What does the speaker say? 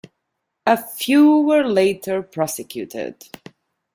A few were later prosecuted.